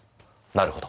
なるほど。